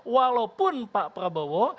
walaupun pak prabowo